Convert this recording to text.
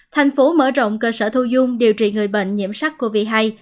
thành phố mở rộng cơ sở thu dung điều trị người bệnh nhiễm sắc covid một mươi chín